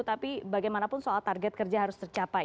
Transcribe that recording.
tapi bagaimanapun soal target kerja harus tercapai